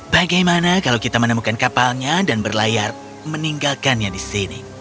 bagaimana kalau kita menemukan kapalnya dan berlayar meninggalkannya di sini